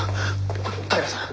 平さん